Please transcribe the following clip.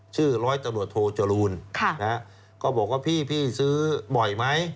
ชื่อร้อยตำรวจโทจรูลก็บอกว่าพี่ซื้อบ่อยไหม